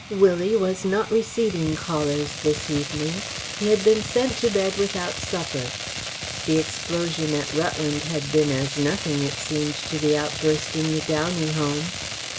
Willie was not receiving callers this evening. He had been sent to bed without supper. The explosion at Rutland had been as nothing, it seemed, to the outburst in the Downey home.